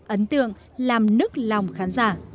ấn tượng làm nước